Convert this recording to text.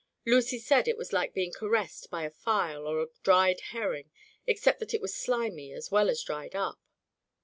Lucy said it was like being caressed by a file or a dried herring, except that it was slimy as well as dried up.